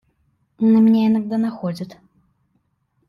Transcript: На меня иногда находит.